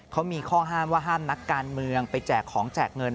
เขามีข้อห้ามว่าห้ามนักการเมืองไปแจกของแจกเงิน